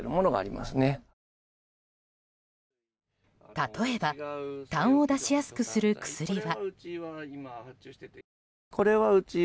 例えばたんを出しやすくする薬は。